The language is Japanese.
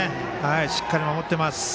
しっかり守っています。